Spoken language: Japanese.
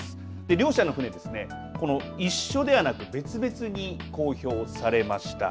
両者の船は一緒ではなく別々に公表されました。